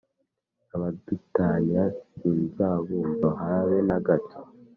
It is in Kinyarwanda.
Abadutanya sinzabumva habe na gato